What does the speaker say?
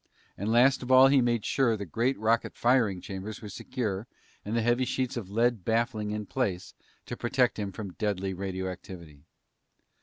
And last of all he made sure the great rocket firing chambers were secure and the heavy sheets of lead baffling in place to protect him from deadly radioactivity.